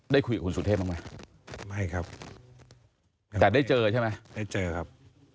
ได้คุยกับคุณสุเทพบ้างไหมไม่ครับแต่ได้เจอใช่ไหมได้เจอครับ